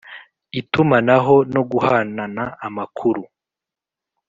Itumanaho no guhanana amakuru